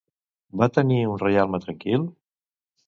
Va tenir un reialme tranquil?